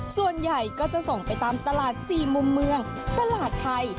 ส่วนใหญ่ก็จะส่งไปตามตลาด๔มุมเมืองตลาดไทย